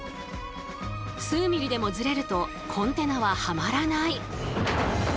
数ミリでもズレるとコンテナははまらない。